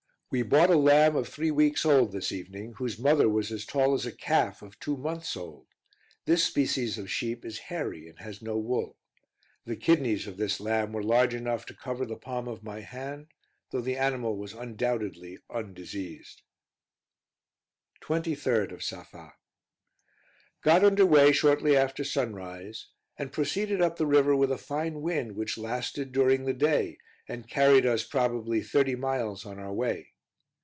We bought a lamb of three weeks old, this evening, whose mother was as tall as a calf of two months old. This species of sheep is hairy, and has no wool. The kidneys of this lamb were large enough to cover the palm of my hand, though the animal was undoubtedly undiseased. 23d of Safa. Got under way shortly after sunrise, and proceeded up the river with a fine wind, which lasted during the day, and carried us probably thirty miles on our way.